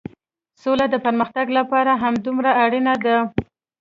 سوله د پرمختګ لپاره همدومره اړينه ده.